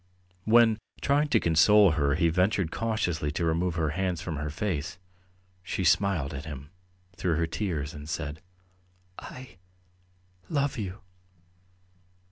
..." When, trying to console her, he ventured cautiously to remove her hands from her face, she smiled at him through her tears and said: "I ... love you!"